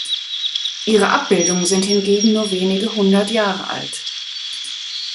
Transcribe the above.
Ihre Abbildungen sind hingegen nur wenige hundert Jahre alt.